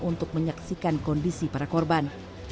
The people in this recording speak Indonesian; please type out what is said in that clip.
untuk menyaksikan kondisi para korban